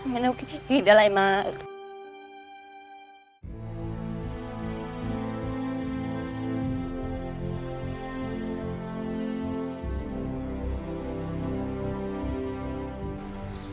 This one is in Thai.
ไม่ต้องกินอะไรมาก